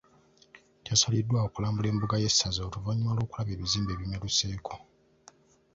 Kyasaliddwawo okulambula embuga y’essaza oluvannyuma lw’okulaba ebizimbe ebimeruseeko.